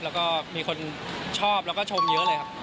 แล้วก็มีคนชอบแล้วก็ชมเยอะเลยครับ